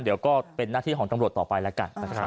เดี๋ยวก็เป็นนักที่ของจังหลวดต่อไปแล้วกัน